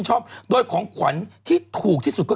คุณหมอโดนกระช่าคุณหมอโดนกระช่า